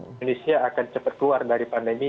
indonesia akan cepat keluar dari pandemi